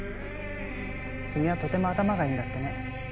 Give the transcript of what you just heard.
君はとても頭がいいんだってね。